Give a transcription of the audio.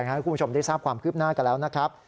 ให้คุณผู้ชมได้ทราบความคืบหน้ากันแล้วนะครับ